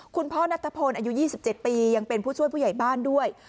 คุณพ่อนัทพลอายุ๒๗ปียังเป็นผู้ช่วยผู้ใหญ่บ้านด้วย